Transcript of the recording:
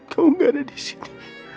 kamu gak ada di sini